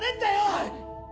はい！